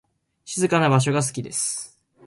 静かな場所が好きです。